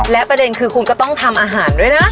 และประเด็นคือคุณก็ต้องทำอาหารด้วยนะ